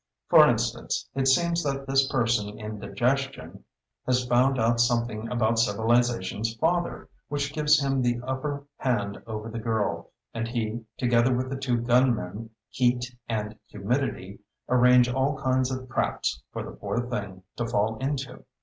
For instance, it seems that this person Indigestion has found out something about Civilization's father which gives him the upper hand over the girl, and he, together with the two gunmen, Heat and Humidity, arrange all kinds of traps for the poor thing to fall into.